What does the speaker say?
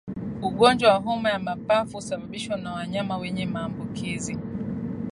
Ugonjwa wa homa ya mapafu husababishwa na wanyama wenye maambukizi